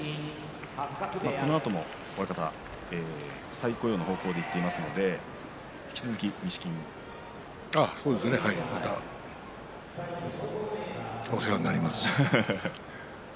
このあとも親方再雇用の方向でいっていますのでそうですね、またお世話になります。